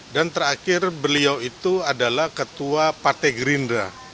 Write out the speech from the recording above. dan terakhir beliau itu adalah ketua partai gerindra